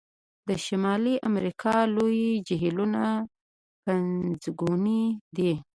د شمالي امریکا لوی جهیلونه پنځګوني دي.